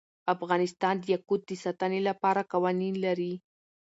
افغانستان د یاقوت د ساتنې لپاره قوانین لري.